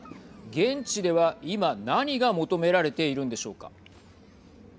現地では今何が求められているんでしょうか。